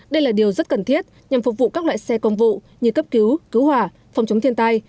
đây là điều rất cần thiết nhằm phục vụ các loại xe công vụ như cấp cứu cứu hỏa phòng chống thiên tai